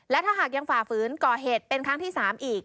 และถ้าหากยังฝ่าฝืนก่อเหตุเป็นครั้งที่๓อีก